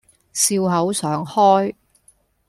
笑口常開